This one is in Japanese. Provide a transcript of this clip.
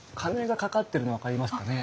鐘が掛かってるの分かりますかね？